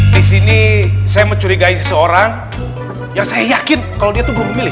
disini saya mencurigai seseorang yang saya yakin kalau dia itu belum memilih